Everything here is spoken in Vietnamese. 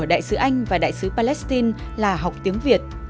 đại sứ anh và đại sứ palestine là học tiếng việt